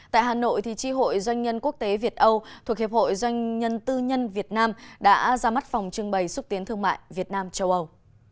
tại hà nội tri hội doanh nhân quốc tế việt âu thuộc hiệp hội doanh nhân tư nhân việt nam đã ra mắt phòng trưng bày xúc tiến thương mại việt nam châu âu